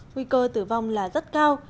nguy cơ tử vong là rất cao